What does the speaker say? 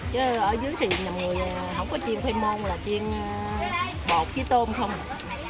chứ ở dưới thì người không có chiên khoai môn là chiên bột với tôm thôi